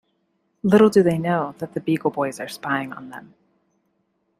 Little do they know that the Beagle Boys are spying on them.